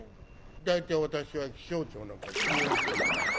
大体私は気象庁なんか信用してないです。